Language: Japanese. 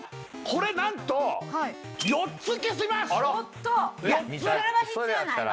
これなんと４つ消せます！